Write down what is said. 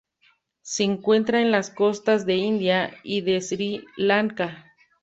Se encuentra en las costas del India y de Sri Lanka.